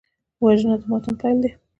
وژنه د ماتم پیل دی